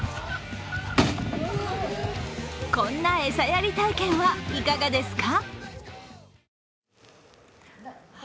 こんな餌やり体験はいかがですか？